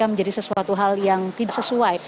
menjadi sesuatu hal yang tidak sesuai